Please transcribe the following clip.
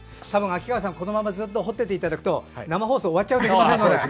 秋川さん、このままずっと彫ってていただくと生放送終わっちゃうかもしれませんので。